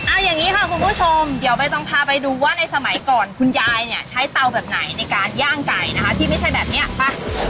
เอาอย่างนี้ค่ะคุณผู้ชมเดี๋ยวใบตองพาไปดูว่าในสมัยก่อนคุณยายเนี่ยใช้เตาแบบไหนในการย่างไก่นะคะที่ไม่ใช่แบบเนี้ยไป